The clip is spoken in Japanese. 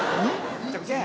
めちゃくちゃや。